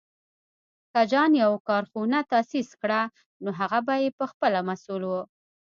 که جان يو کارخونه تاسيس کړه، نو هغه به یې پهخپله مسوول و.